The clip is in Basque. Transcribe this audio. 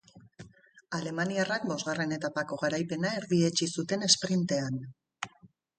Alemaniarrak bosgarren etapako garaipena erdietsi zuen esprintean.